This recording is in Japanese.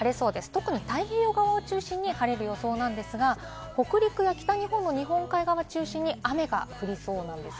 特に太平洋側を中心に晴れる予想ですが、北陸や北日本は日本海側を中心に雨が降りそうです。